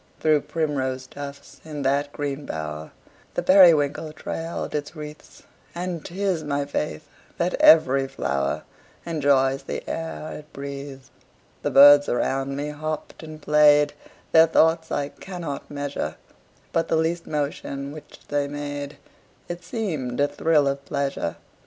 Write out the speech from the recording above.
Through primrose tufts, in that green bower, The periwinkle trailed its wreaths; And 'tis my faith that every flower Enjoys the air it breathes. The birds around me hopped and played, Their thoughts I cannot measure: But the least motion which they made It seemed a thrill of pleasure.